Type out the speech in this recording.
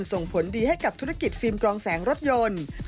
ส่งผลดีให้กับธุรกิจฟิล์มกรองแสงรถยนต์